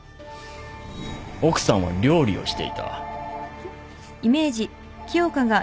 奥さんは料理をしていた。